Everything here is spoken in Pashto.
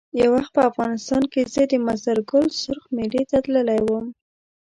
یو وخت په افغانستان کې زه د مزار ګل سرخ میلې ته تللی وم.